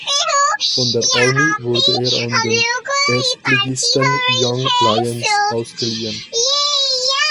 Von der Army wurde er an den Erstligisten Young Lions ausgeliehen.